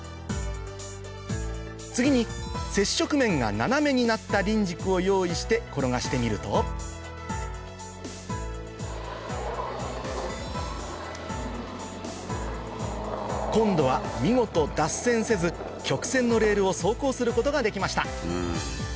次に接触面が斜めになった輪軸を用意して転がしてみると今度は見事脱線せず曲線のレールを走行することができました